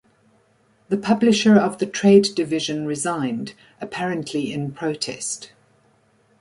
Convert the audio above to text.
The publisher of the trade division resigned, apparently in protest.